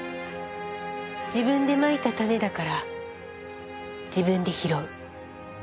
自分でまいた種だから自分で拾う。